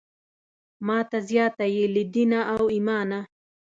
ماته زیاته یې له دینه او ایمانه.